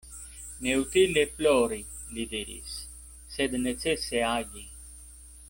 Neutile plori, li diris, sed necese agi.